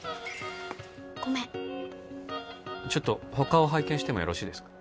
ごめんちょっと他を拝見してもよろしいですか？